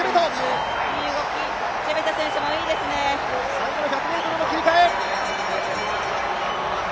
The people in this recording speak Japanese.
最後の１００ｍの切りかえ。